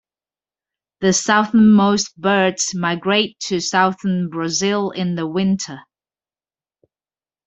The southernmost birds migrate to southern Brazil in the winter.